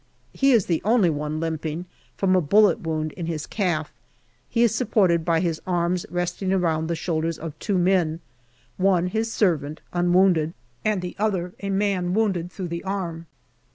He is the only one limping, from a bullet wound in his calf ; he is supported by his arms resting round the shoulders of two men one his servant, unwounded, and the other a man wounded through the arm.